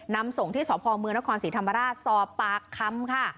นำส่งที่สพเมืองนครศรีธรรมดาสปคัมค่ะ